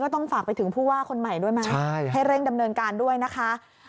ต้องรีบไปทาสีด้วยนะคะ